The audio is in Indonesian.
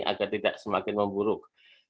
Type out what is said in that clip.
agar tidak semakin memburuk